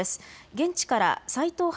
現地から齋藤湧